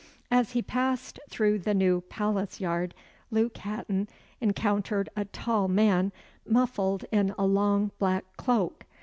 As he passed through New Palace yard, Luke Hatton encountered a tall man muffled in a long black cloak.